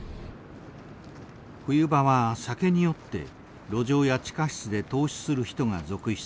冬場は酒に酔って路上や地下室で凍死する人が続出。